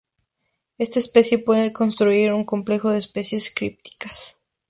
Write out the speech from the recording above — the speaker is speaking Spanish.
Esta especie puede constituir un complejo de especies crípticas.